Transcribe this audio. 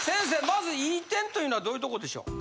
まずいい点というのはどういうとこでしょう。